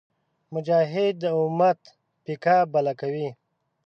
مجاهد د امت پیکه بله کوي.